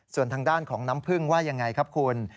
ส่วนทางด้านของน้ำพึ่งว่ายังไงครับคุณ